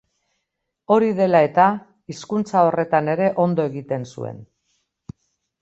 Hori dela eta, hizkuntza horretan ere ondo egiten zuen.